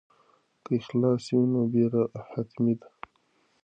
که اخلاص وي نو بریا حتمي ده.